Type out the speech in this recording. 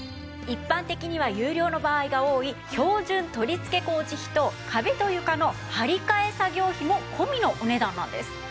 一般的には有料の場合が多い標準取り付け工事費と壁と床の張り替え作業費も込みのお値段なんです。